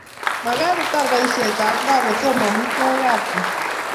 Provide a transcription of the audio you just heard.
Magaat atar boishetab gaa kotomo amitwogikab koi